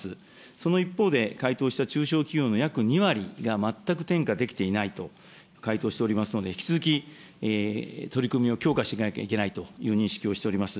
その一方で、回答した中小企業の約２割が全く転嫁できていないと回答しておりますので、引き続き取り組みを強化していかなきゃいけないという認識をしております。